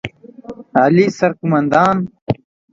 اعلى سرقومندان